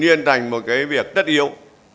tự nhiên thành một cái việc tất yếu